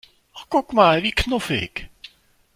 Guck mal, wie knuffig!